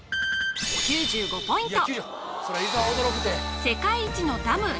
９５ポイント